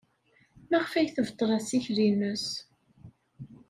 Maɣef ay tebṭel assikel-nnes?